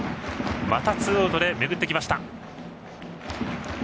またツーアウトでめぐってきました。